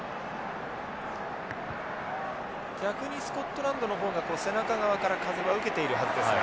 逆にスコットランドの方が背中側から風は受けているはずですが。